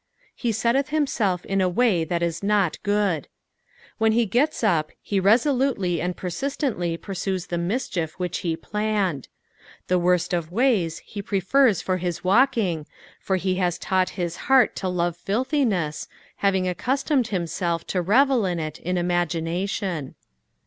^'' He tetteth himtelf in away that itJiot good." When he gets up he resolutely and persistently pursues the mischief which he planned. The wotM of ways bo prefers for his walking, for ho hss taught his heart to love flit hiness, having accustomed himself to. revel in it in imagination.